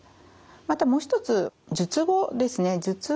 またもう一つ術後ですね